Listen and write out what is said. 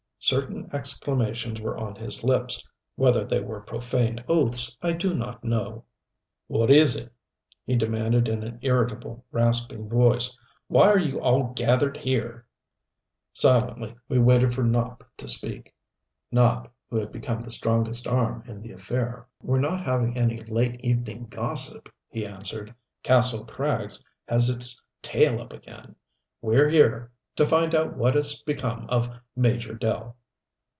Certain exclamations were on his lips whether they were profane oaths I do not know. "What is it?" he demanded in an irritable, rasping voice. "Why are you all gathered here?" Silently we waited for Nopp to speak Nopp who had become the strongest arm in the affair. "We're not having any late evening gossip," he answered. "Kastle Krags has its tail up again. We're here to find out what has become of Major Dell."